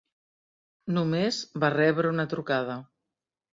Només va rebre una trucada.